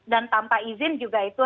dan tanpa izin juga itu